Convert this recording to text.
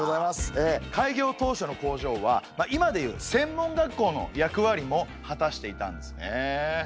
開業当初の工場は今で言う専門学校の役割も果たしていたんですね。